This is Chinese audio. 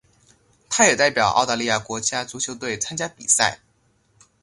他也代表澳大利亚国家足球队参加比赛。